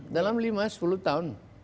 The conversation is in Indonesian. dalam lima sepuluh tahun